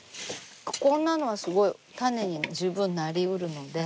こんなのはすごい種に十分なりうるので。